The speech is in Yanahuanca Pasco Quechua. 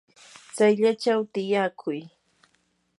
chayllachaw tiyakuy.